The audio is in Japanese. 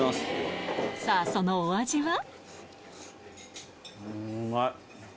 さぁそのお味は？